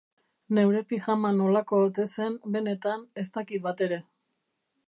Neure pijama nolakoa ote zen, benetan, ez dakit bat ere.